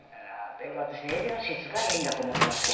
私えびの質がいいんだと思ってました